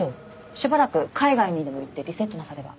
しばらく海外にでも行ってリセットなされば？